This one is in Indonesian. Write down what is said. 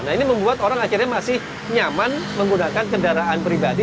nah ini membuat orang akhirnya masih nyaman menggunakan kendaraan pribadi